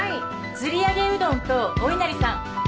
「ずりあげうどんとおいなりさん」